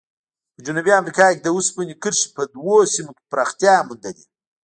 په جنوبي امریکا کې د اوسپنې کرښې په دوو سیمو کې پراختیا موندلې.